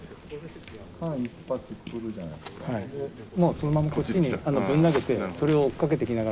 そのままこっちにぶん投げてそれを追っかけていきながらドゴーン。